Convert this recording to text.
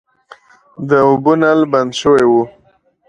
د اوبو نل بند شوی و.